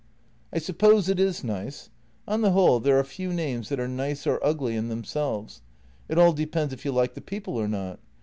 " I suppose it is nice. On the whole, there are few names that are nice or ugly in themselves; it all depends if you like the people or not.